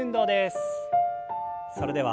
それでは。